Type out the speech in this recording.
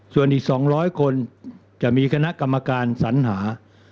ส่วนอีก๒๐๐คนจะมีคณะกรรมการสัญหา